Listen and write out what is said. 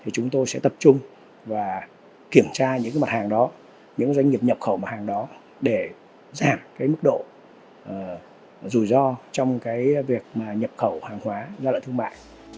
chúng tôi sẽ tập trung và kiểm tra những mặt hàng đó những doanh nghiệp nhập khẩu mặt hàng đó để giảm mức độ rủi ro trong việc nhập khẩu hàng hóa gia lợi thương mại